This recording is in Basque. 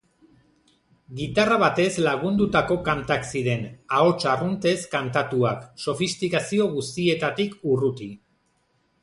Gitarra batez lagundutako kantak ziren, ahots arruntez kantatuak, sofistikazio guztietatik urruti.